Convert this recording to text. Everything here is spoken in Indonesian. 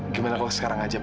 gimana kalau sekarang aja